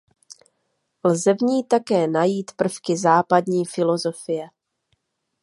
Lze v ní také najít prvky západní filozofie.